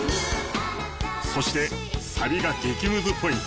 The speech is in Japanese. そしてサビが激ムズポイント。